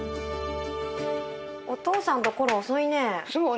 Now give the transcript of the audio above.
お父さんとコロ遅いね。